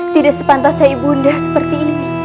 tidak sepantasnya ibu undah seperti ini